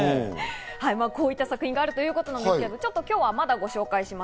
こういった作品があるということなんですけど、今日はまだまだご紹介します。